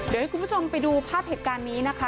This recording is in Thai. เดี๋ยวให้คุณผู้ชมไปดูภาพเหตุการณ์นี้นะคะ